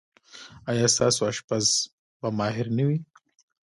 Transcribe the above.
ایا ستاسو اشپز به ماهر نه وي؟